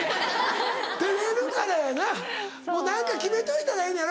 照れるからやなもう何か決めといたらええのやろ。